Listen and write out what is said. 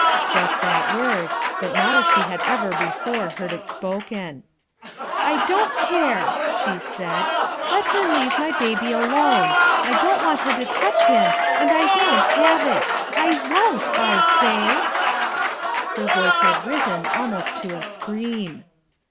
Just that word, but not as she had ever before heard it spoken. "I don't care!" she said. "Let her leave my baby alone. I don't want her to touch him, and I won't have it ! I won't I I say !" Her voice had risen almost to a scream.